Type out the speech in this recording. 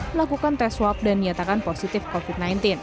melakukan tes swab dan nyatakan positif covid sembilan belas